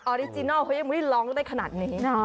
ออรีจินอลยังไม่ร้องได้ขนาดนี้